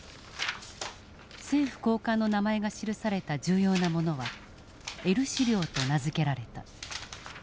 政府高官の名前が記された重要なものはＬ資料と名付けられた。